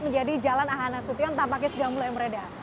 menjadi jalan ahanasutian tanpa kesudah mulai meredah